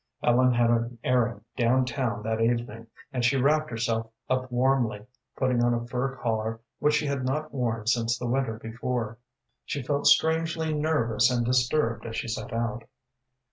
Ellen had an errand down town that evening, and she wrapped herself up warmly, putting on a fur collar which she had not worn since the winter before. She felt strangely nervous and disturbed as she set out.